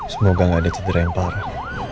semoga gak ada cedera yang parah